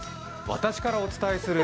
私からお伝えする